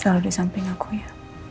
selalu disamping aku ya